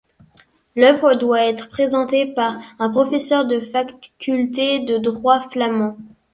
L'œuvre doit être présentée par un professeur de faculté de droit flamand.